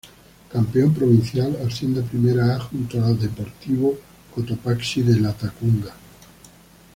Campeón Provincial, asciende a Primera A, junto a Deportivo Cotopaxi de Latacunga.